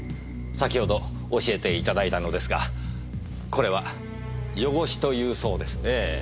先ほど教えていただいたのですがこれはヨゴシというそうですねぇ。